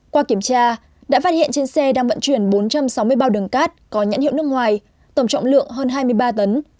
qua kiểm tra đã phát hiện trên xe đang vận chuyển bốn trăm sáu mươi bao đường cát có nhãn hiệu nước ngoài tổng trọng lượng hơn hai mươi ba tấn